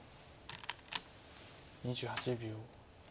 ２８秒。